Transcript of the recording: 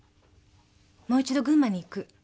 もう一度群馬に行く。